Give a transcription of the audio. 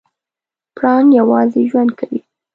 پړانګ یوازې ژوند کوي.